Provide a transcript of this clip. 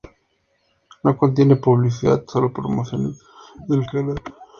No contiene publicidad, solo promociones del canal.